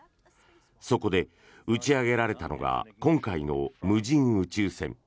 そこで打ち上げられたのが今回の無人宇宙船。